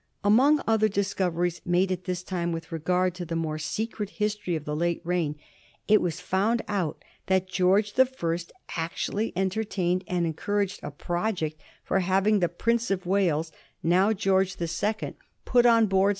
Among other discoveries made at this time with regard to the more secret history of the late reign, it was found out that George the First actual ly entertained and encouraged a project for having the Prince of Wales, now George the Second, put on board 110 A HISTORY OF THE FOUR GEORGES. ch.